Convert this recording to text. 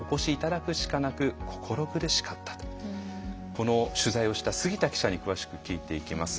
この取材をした杉田記者に詳しく聞いていきます。